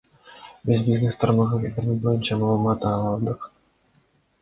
Биз бизнес тармагы, интернет боюнча маалымат ала алдык.